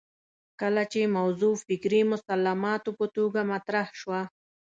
کله چې موضوع فکري مسلماتو په توګه مطرح شوه